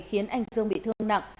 khiến anh dương bị thương nặng